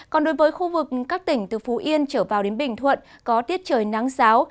còn đối với khu vực các tỉnh từ phú yên trở vào đến bình thuận có tiết trời nắng giáo